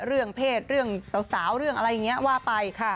เรื่องเพศเรื่องสาวเรื่องอะไรอย่างนี้ว่าไป